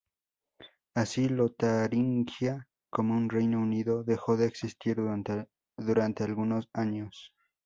Así Lotaringia, como un reino unido, dejó de existir durante algunos años.